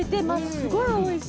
すごいおいしい。